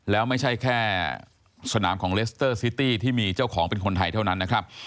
แล้วไม่ใช่แค่สนามของเลสเตอร์ซิตี้ที่มีเจ้าของเป็นคนไทยเท่านั้นนะครับ